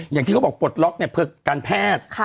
อย่างที่เขาบอกปลดล็อกเนี่ยเพื่อการแพทย์